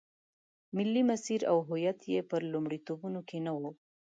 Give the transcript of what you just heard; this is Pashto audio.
ملي مسیر او هویت یې په لومړیتوبونو کې نه و.